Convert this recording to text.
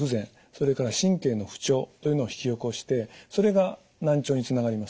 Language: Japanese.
それから神経の不調というのを引き起こしてそれが難聴につながります。